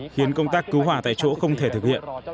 khiến công tác cứu hỏa tại chỗ không thể thực hiện